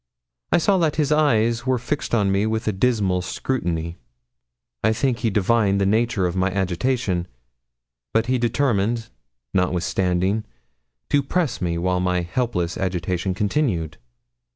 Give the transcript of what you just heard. I saw that his eyes were fixed on me with a dismal scrutiny. I think he divined the nature of my agitation; but he determined, notwithstanding, to press me while my helpless agitation continued.